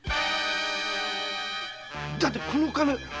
だってこの金。